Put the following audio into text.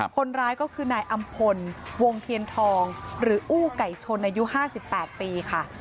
คนร้ายก็คือนายอำพลวงเทียนทองหรืออู้ไก่ชนอายุ๕๘ปีค่ะ